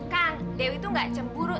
kang dewi itu gak cemburu